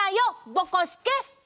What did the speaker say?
ぼこすけ。